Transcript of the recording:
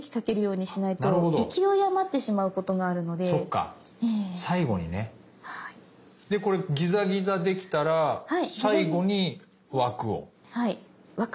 でこれギザギザできたら最後に枠を。